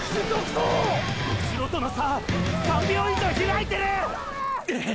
うしろとの差３秒以上開いてる！！っ！！